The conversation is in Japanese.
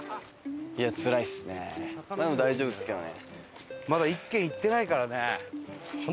まだ大丈夫っすけどね。